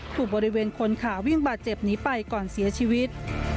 บริเวณคนขาวิ่งบาดเจ็บหนีไปก่อนเสียชีวิต